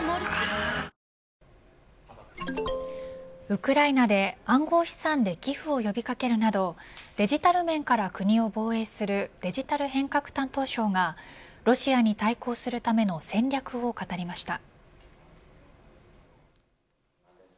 ウクライナで暗号資産で寄付を呼び掛けるなどデジタル面から国を防衛するデジタル変革担当相がロシアに対抗するための戦略を語りました。